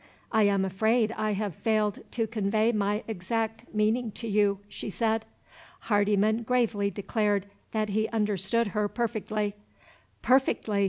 "I am afraid I have failed to convey my exact meaning to you," she said. Hardyman gravely declared that he understood her perfectly. "Perfectly!"